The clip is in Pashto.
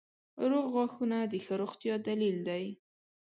• روغ غاښونه د ښه روغتیا دلیل دی.